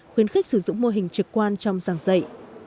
khuyến khích sử dụng mô hình trực quan trong giảng dạy